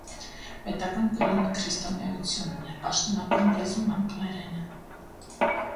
Պետական կրոնը քրիստոնեությունն է, պաշտոնական լեզուն՝ անգլերենը։